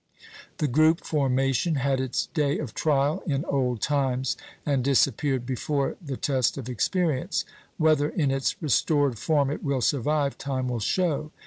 The group formation had its day of trial in old times, and disappeared before the test of experience; whether in its restored form it will survive, time will show.